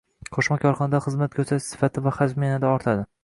Qo‘shma korxonada xizmat ko‘rsatish sifati va hajmi yanada ortadi